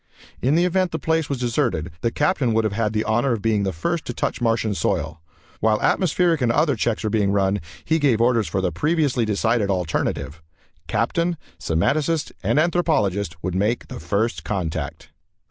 In the event the place was deserted, the Captain would have had the honor of being the first to touch Martian soil. While atmospheric and other checks were being run, he gave orders for the previously decided alternative. Captain, semanticist and anthropologist would make the First Contact.